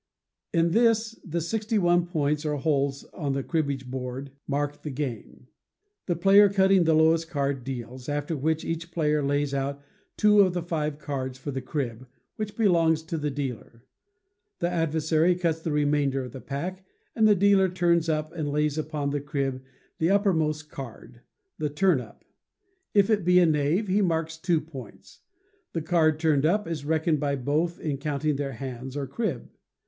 In this the sixty one points or holes on the cribbage board mark the game. The player cutting the lowest card deals; after which, each player lays out two of the five cards for the crib, which belongs to the dealer. The adversary cuts the remainder of the pack, and the dealer turns up and lays upon the crib the uppermost card, the turn up. If it be a knave, he marks two points. The card turned up is reckoned by both in counting their hands or crib.